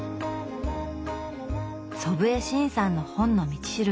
祖父江慎さんの「本の道しるべ」。